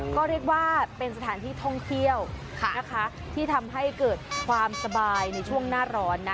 ก็เรียกว่าเป็นสถานที่ท่องเที่ยวนะคะที่ทำให้เกิดความสบายในช่วงหน้าร้อนนะ